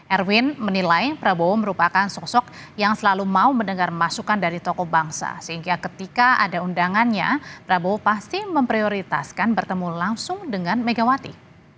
erwin menilai prabowo merupakan sosok yang selalu mau mendengar masukan dari tokoh bangsa sehingga ketika ada undangannya prabowo pasti memprioritaskan bertemu langsung dengan megawati